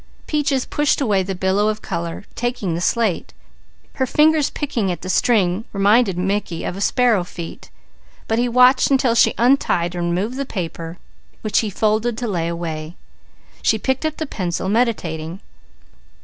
Peaches pushed away the billow of colour, taking the slate. Her fingers picking at the string reminded Mickey of sparrow feet; but he watched until she untied and removed the paper which he folded to lay away. She picked up the pencil, meditating.